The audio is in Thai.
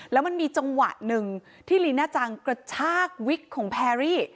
แล้วมันมีจังหวะหนึ่งที่ลีน่าจังกระชากวิกของแพรรี่